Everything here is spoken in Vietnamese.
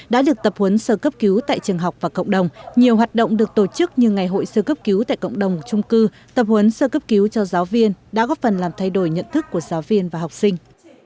đã được tập huấn sơ cấp cứu tại trường học và cộng đồng nhiều hoạt động được tổ chức như ngày hội sơ cấp cứu tại cộng đồng trung cư tập huấn sơ cấp cứu cho giáo viên đã góp phần làm thay đổi nhận thức của giáo viên và học sinh